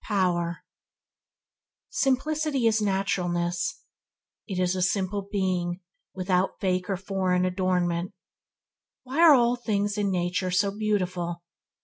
Power Simplicity is naturalness. It is simple being, without fake or foreign adornment. Why are all things in nature so beautiful?